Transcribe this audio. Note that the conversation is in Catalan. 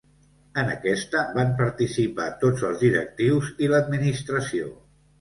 En aquesta van participar tots els directius i l'administració.